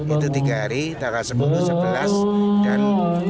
itu tiga hari takal sepuluh sebelas dan dua belas